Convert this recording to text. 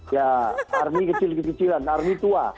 ya army kecil kecilan army tua